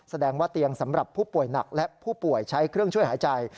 แสดงว่าเตียงสำหรับผู้ป่วยหนักและผู้ป่วยใช้เครื่องช่วยหายใจ